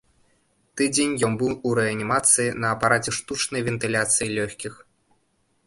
Тыдзень ён быў у рэанімацыі на апараце штучнай вентыляцыі лёгкіх.